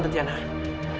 tak ada yang gak byu belle